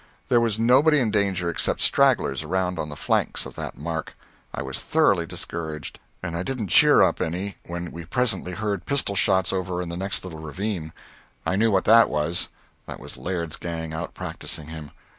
There was nobody in danger except stragglers around on the flanks of that mark. I was thoroughly discouraged, and I didn't cheer up any when we presently heard pistol shots over in the next little ravine. I knew what that was that was Laird's gang out practising him.